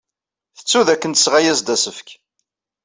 Tettu dakken tesɣa-as-d asefk.